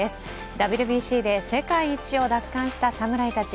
ＷＢＣで世界一を奪還した侍たち。